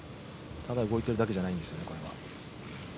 ただ動いているだけじゃないんですよね、これは。